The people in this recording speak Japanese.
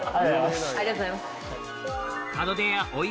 ありがとうございます。